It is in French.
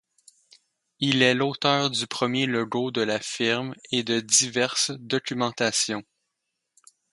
Il est l'auteur du premier logo de la firme et de diverses documentations.